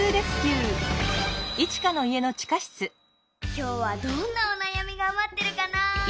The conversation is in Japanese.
きょうはどんなおなやみが待ってるかな？